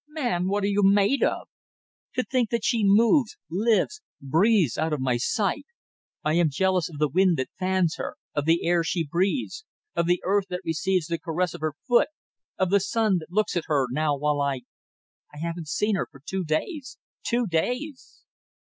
Man! what are you made of? To think that she moves, lives, breathes out of my sight. I am jealous of the wind that fans her, of the air she breathes, of the earth that receives the caress of her foot, of the sun that looks at her now while I ... I haven't seen her for two days two days."